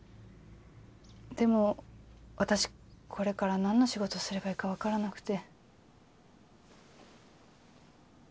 でも私これからなんの仕事すればいいか分からなくて。